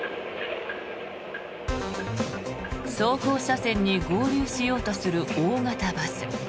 走行車線に合流しようとする大型バス。